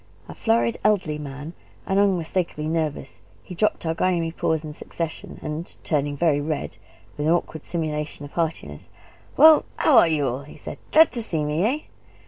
A florid, elderly man, and unmistakably nervous, he dropped our grimy paws in succession, and, turning very red, with an awkward simulation of heartiness, "Well, h' are y' all?" he said, "Glad to see me, eh?"